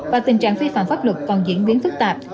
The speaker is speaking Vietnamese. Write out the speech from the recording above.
và tình trạng vi phạm pháp luật còn diễn biến phức tạp